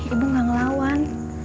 ibu gak ngelawan